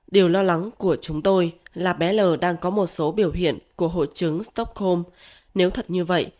điều lo lắng của chúng tôi là bé l đang có một số biểu hiện của hội chứng stockholm nếu thật như vậy